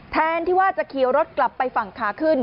แทนที่ว่าจะขี่รถกลับไปฝั่งขาขึ้น